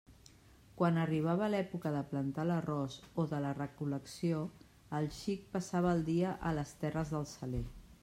Quan arribava l'època de plantar l'arròs o de la recol·lecció, el xic passava el dia a les terres del Saler.